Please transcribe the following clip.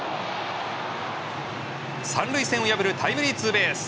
３塁線を破るタイムリーツーベース！